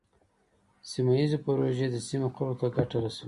سیمه ایزې پروژې د سیمې خلکو ته ګټه رسوي.